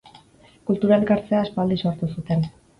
Kultura elkartzea aspaldi sortu zuten.